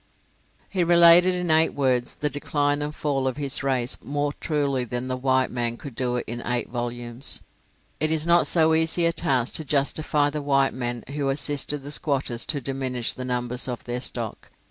He related in eight words the decline and fall of his race more truly than the white man could do it in eight volumes. It is not so easy a task to justify the white men who assisted the squatters to diminish the numbers of their stock.